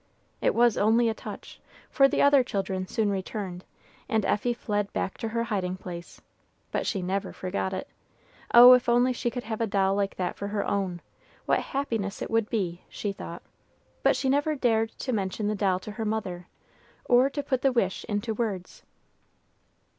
It was only a touch, for the other children soon returned, and Effie fled back to her hiding place; but she never forgot it. Oh, if only she could have a doll like that for her own, what happiness it would be, she thought; but she never dared to mention the doll to her mother, or to put the wish into words.